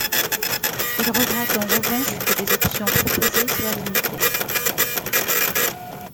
Il regrette en revanche que les options proposées soient limitées.